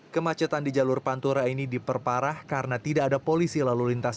kemacetan di jalur pantura ini diperparah karena tidak ada polisi lalu lintas